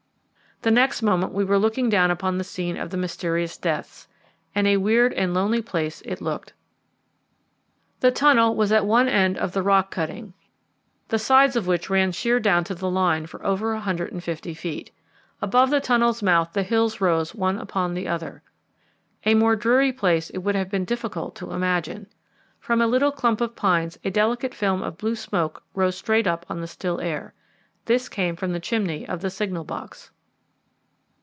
The next moment we were looking down upon the scene of the mysterious deaths, and a weird and lonely place it looked. The tunnel was at one end of the rock cutting, the sides of which ran sheer down to the line for over a hundred and fifty feet. Above the tunnel's mouth the hills rose one upon the other. A more dreary place it would have been difficult to imagine. From a little clump of pines a delicate film of blue smoke rose straight up on the still air. This came from the chimney of the signal box.